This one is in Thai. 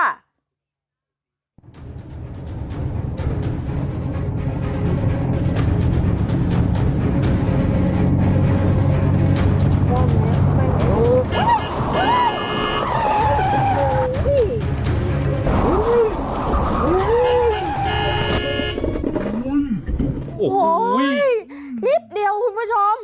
โอ้โหนิดเดียวคุณผู้ชม